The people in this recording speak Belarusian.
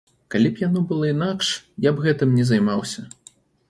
Калі б яно было інакш, я б гэтым не займаўся.